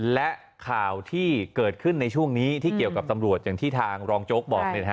และข่าวที่เกิดขึ้นในช่วงนี้ที่เกี่ยวกับตำรวจอย่างที่ทางรองโจ๊กบอก